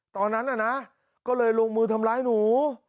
ตอนนั้นน่ะนะก็เลยลงมือทำร้ายหนู